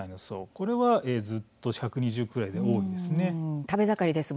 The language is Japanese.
これはずっと１２０くらいで多いです。